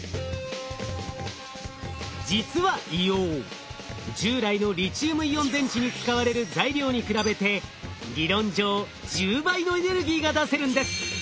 実は硫黄従来のリチウムイオン電池に使われる材料に比べて理論上１０倍のエネルギーが出せるんです。